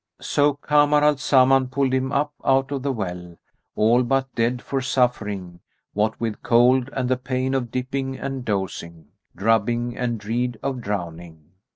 So Kamar al Zaman pulled him up out of the well, all but dead for suffering, what with cold and the pain of dipping and dousing, drubbing and dread of drowning.